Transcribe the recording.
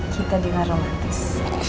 kita dima romantis